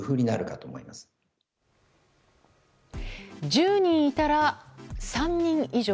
１０人いたら３人以上。